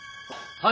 はい。